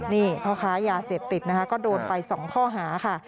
นี่พ่อค้ายาเสพติดนะคะก็โดนไป๒ข้อหาค่ะ